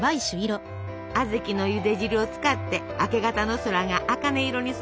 小豆のゆで汁を使って明け方の空があかね色に染まる様子を表したそう。